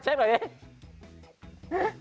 เออใช่ใช่แบบนี้